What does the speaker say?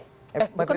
eh bukan menteri partai